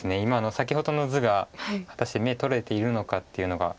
先ほどの図が果たして眼取れているのかっていうのが。